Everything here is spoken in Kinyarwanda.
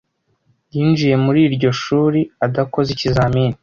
Yinjiye muri iryo shuri adakoze ikizamini.